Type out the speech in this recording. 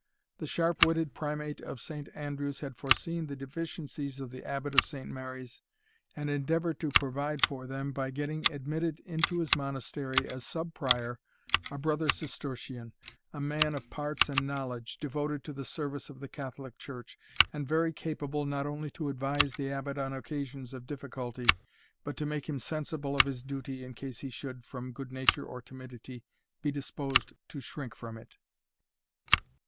The sharp witted Primate of Saint Andrews had foreseen the deficiencies of the Abbot of St. Mary's, and endeavoured to provide for them by getting admitted into his Monastery as Sub Prior a brother Cistercian, a man of parts and knowledge, devoted to the service of the Catholic Church, and very capable not only to advise the Abbot on occasions of difficulty, but to make him sensible of his duty in case he should, from good nature or timidity, be disposed to shrink from it.